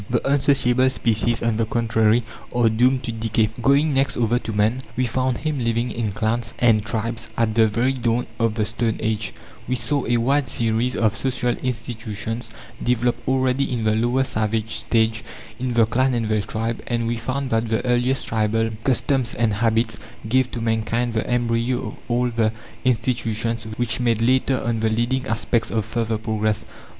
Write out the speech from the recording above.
The unsociable species, on the contrary, are doomed to decay. Going next over to man, we found him living in clans and tribes at the very dawn of the stone age; we saw a wide series of social institutions developed already in the lower savage stage, in the clan and the tribe; and we found that the earliest tribal customs and habits gave to mankind the embryo of all the institutions which made later on the leading aspects of further progress.